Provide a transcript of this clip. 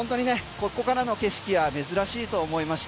ここからの景色は珍しいと思いまして